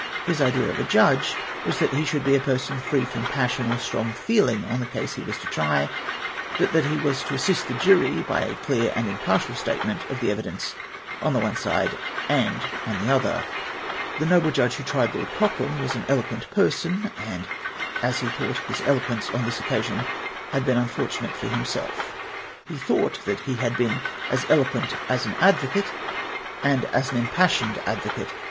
His idea of a judge was that he should be a person free from passion or strong feeling on the case he was to try ; but that he was to assist the jury by a clear and impartial statement of the evidence on tlie one side and on the other. The noble judge who tried Lord Cochrane was an eloquent person, and, as he thought, his eloquence on this occasion had been unfortunate for himself. He thought that he had l)een as eloc^uent as an advocate, and as an impassioned ad vocate.